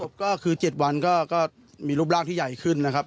ก็คือ๗วันก็มีรูปร่างที่ใหญ่ขึ้นนะครับ